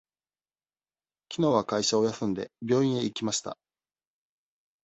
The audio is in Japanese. きのうは会社を休んで、病院へ行きました。